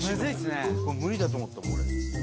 無理だと思ったもん。